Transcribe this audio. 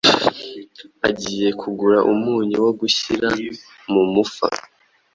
agiye kugura umunyu wo gushyira mu mufa,